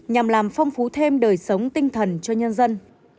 nhằm làm phong phú thêm đời sống tinh thần cho nhân dân